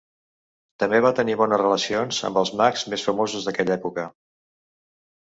També va tenir bones relacions amb els mags més famosos d'aquella època.